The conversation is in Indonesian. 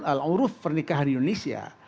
al urf pernikahan di indonesia